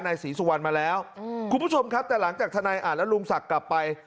ศรีสุวรรณมาแล้วคุณผู้ชมครับแต่หลังจากทนายอ่านและลุงศักดิ์กลับไป